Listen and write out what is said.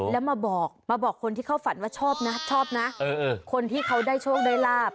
แล้วมาบอกคนที่เขาฝันว่าชอบนะคนที่เขาได้โชคได้ราบ